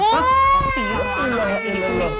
oh siutin lo ya ini